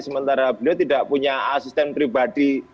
sementara beliau tidak punya asisten pribadi